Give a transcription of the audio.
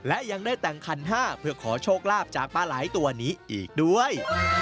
และยังได้แต่งคันห้าเพื่อขอโชคลาภจากปลาไหล่ตัวนี้อีกด้วย